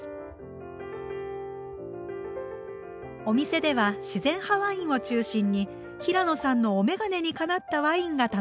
お店では自然派ワインを中心に平野さんのお眼鏡にかなったワインが楽しめます。